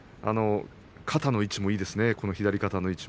左肩の位置もいいですね。